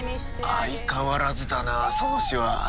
相変わらずだなソノシは。